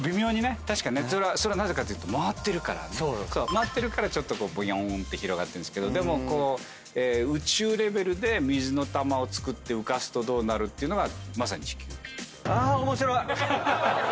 回ってるからボヨーンって広がってんですけどでも宇宙レベルで水の球をつくって浮かすとどうなるっていうのがまさに地球。